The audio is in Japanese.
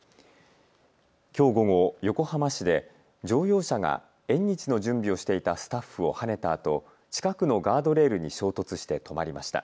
きょう午後、横浜市で乗用車が縁日の準備をしていたスタッフをはねたあと近くのガードレールに衝突して止まりました。